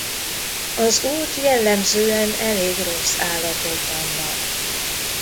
Az út jellemzően elég rossz állapotban van.